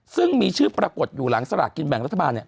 ซึ่งมีชื่อปรากฏอยู่หลังสลากกินแบ่งรัฐบาลเนี่ย